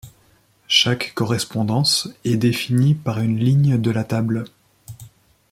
Chaque correspondance est définie par une ligne de la table.